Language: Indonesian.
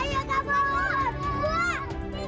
pasti mereka enggak tahu aku di sini